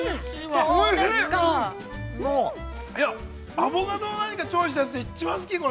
アボカドの調理したやつで一番好き。